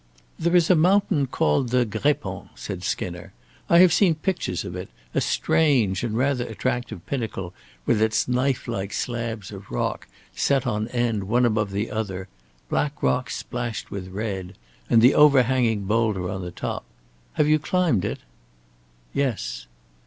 "There is a mountain called the Grépon," said Skinner. "I have seen pictures of it a strange and rather attractive pinnacle, with its knife like slabs of rock, set on end one above the other black rock splashed with red and the overhanging boulder on the top. Have you climbed it?" "Yes."